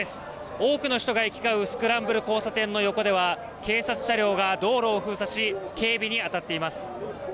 多くの人が行き交うスクランブル交差点の横では警察車両が道路を封鎖し警備に当たっています。